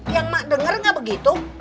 yang mak dengar nggak begitu